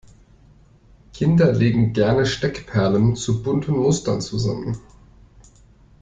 Kinder legen gerne Steckperlen zu bunten Mustern zusammen.